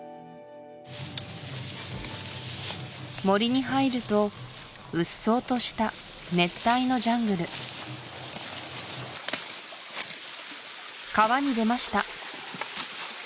森に入るとうっそうとした熱帯のジャングル川に出ました